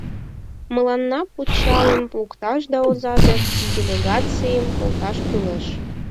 — Мыланна пунчалым лукташ да оза дек делегацийым колташ кӱлеш.